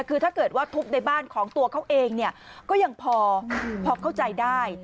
คือถ้าเกิดว่าทุบในบ้านของตัวเขาเองเนี่ยก็ยังพอเข้าใจได้